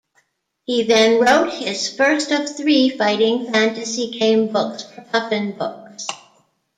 He then wrote his first of three Fighting Fantasy gamebooks for Puffin Books.